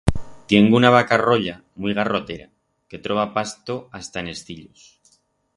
Tiengo una vaca roya muit garrotera que troba pasto hasta en es cillos.